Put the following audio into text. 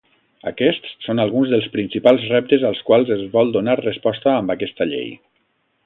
Aquests són alguns dels principals reptes als quals es vol donar resposta amb aquesta Llei.